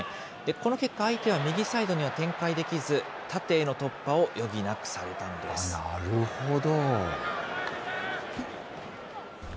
この結果、相手は右サイドには展開できず、縦への突破を余儀なくなるほど。